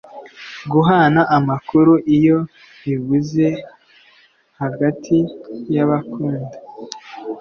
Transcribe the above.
Guhana amakuru iyo bibuze hagati y’abakunda